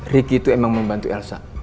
ricky itu emang membantu elsa